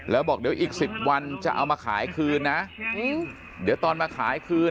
แล้วบอกเดี๋ยวอีก๑๐วันจะเอามาขายคืนนะเดี๋ยวตอนมาขายคืน